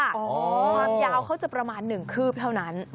ความยาวเขาจะประมาณ๑คืบเท่านั้น